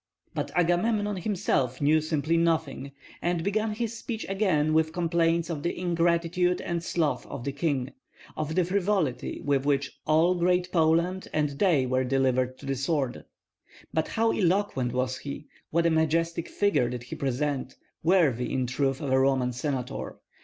But "Agamemnon" himself knew simply nothing, and began his speech again with complaints of the ingratitude and sloth of the king, of the frivolity with which all Great Poland and they were delivered to the sword. But how eloquent was he; what a majestic figure did he present, worthy in truth of a Roman senator!